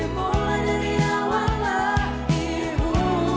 mulai dari awal hatimu